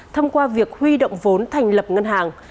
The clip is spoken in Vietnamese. thông qua việc huy động vốn thành lập ngân hàng